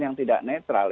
yang tidak netral